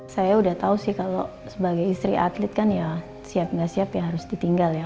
saya udah tau sih kalau sebagai istri atlet kan ya siap nggak siap ya harus ditinggal ya